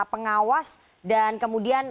pengawas dan kemudian